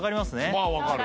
まあわかる。